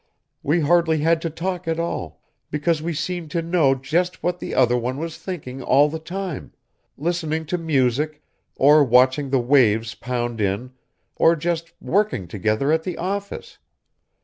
We hardly had to talk at all, because we seemed to know just what the other one was thinking all the time, listening to music, or watching the waves pound in or just working together at the office.